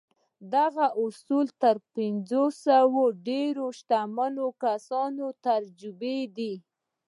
دغه اصول تر پينځه سوه د ډېرو شتمنو کسانو تجربې دي.